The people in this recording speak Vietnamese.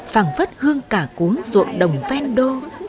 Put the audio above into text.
phẳng vất hương cả cuốn ruộng đồng ven đô